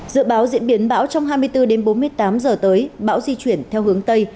dự báo diễn biến bão trong hai mươi bốn đến bốn mươi tám giờ tới bão di chuyển theo hướng tây